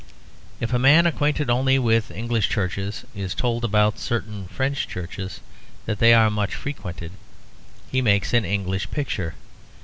If a man acquainted only with English churches is told about certain French churches that they are much frequented, he makes an English picture.